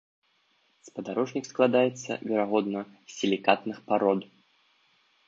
Спадарожнік складаецца, верагодна, з сілікатных парод.